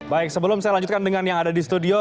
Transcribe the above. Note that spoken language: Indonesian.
baik sebelum saya lanjutkan dengan yang ada di studio